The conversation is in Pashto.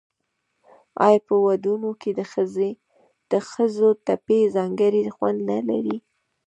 آیا په ودونو کې د ښځو ټپې ځانګړی خوند نلري؟